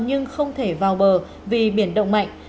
nhưng không thể vào bờ vì biển động mạnh